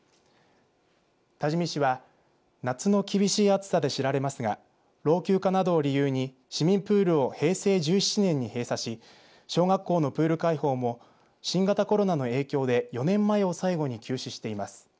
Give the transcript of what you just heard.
多治見市は夏の厳しい暑さで知られますが老朽化などを理由に市民プールを平成１７年に閉鎖し小学校のプール開放も新型コロナの影響で４年前を最後に休止しています。